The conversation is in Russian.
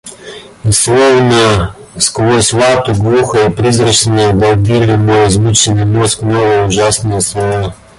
И, словно сквозь вату, глухо и призрачно долбили мой измученный мозг новые ужасные слова: —.